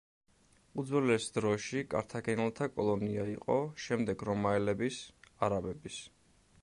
უძველეს დროში კართაგენელთა კოლონია იყო, შემდეგ რომაელების, არაბების.